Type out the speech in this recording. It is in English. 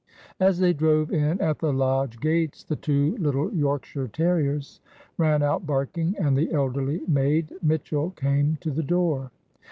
As they drove in at the lodge gates the two little Yorkshire terriers ran out barking, and the elderly maid Mitchell came to the door.